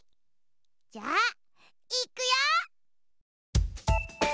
じゃあいくよ！